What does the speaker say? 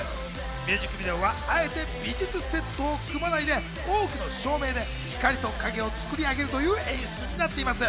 ミュージックビデオはあえて美術セットを組まないで多くの照明で光と影を作り上げるという演出になっています。